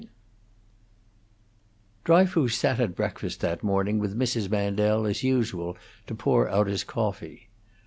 IV Dryfoos sat at breakfast that morning with Mrs. Mandel as usual to pour out his coffee.